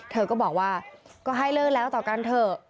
เธอก็บอกว่าก็ให้เลิกแล้วต่อกันเถอะ